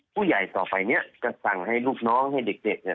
ต่อไปเนี่ยจะสั่งให้ลูกน้องให้เด็กเนี่ย